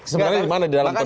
sebenarnya di mana di dalam